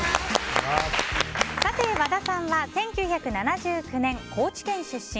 和田さんは１９７９年高知県出身。